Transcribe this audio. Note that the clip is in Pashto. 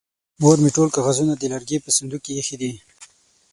مور مې ټول کاغذونه د لرګي په صندوق کې ايښې دي.